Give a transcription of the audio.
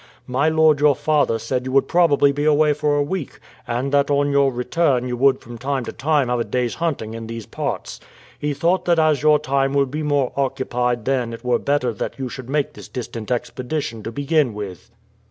My lord your father said you would probably be away for a week, and that on your return you would from time to time have a day's hunting in these parts. He thought that as your time will be more occupied then it were better that you should make this distant expedition to begin with."